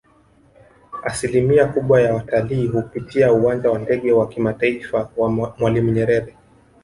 Asilimia kubwa ya watalii hupitia uwanja wa Ndege wa kimataifa wa Mwalimu Nyerere